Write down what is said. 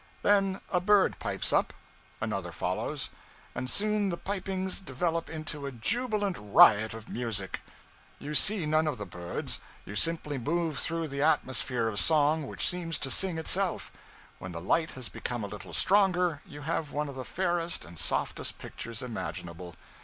Then a bird pipes up, another follows, and soon the pipings develop into a jubilant riot of music. You see none of the birds; you simply move through an atmosphere of song which seems to sing itself. When the light has become a little stronger, you have one of the fairest and softest pictures imaginable.